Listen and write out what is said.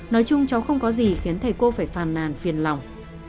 nói chung cháu không có gì khiến thầy cô phải phàn nàn phiền lòng